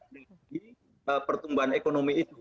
di pertumbuhan ekonomi itu